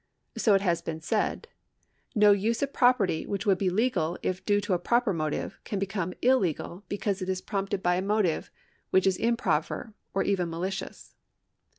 So it has been said :" No use of j)ro])erty which would be legal if due to a proper motive can become illegal because it is 2:)rompted by a motive which is improper or even malicious."